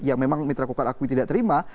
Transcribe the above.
yang memang mitra kukar aku tidak terima